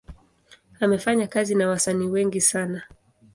Amefanya kazi na wasanii wengi sana.